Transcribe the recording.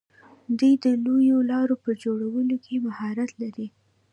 دوی د لویو لارو په جوړولو کې مهارت لري.